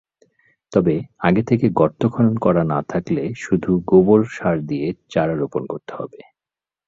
তবে আগে থেকে গর্ত খনন করা না থাকলে শুধু গোবর সার দিয়ে চারা রোপণ করতে হবে।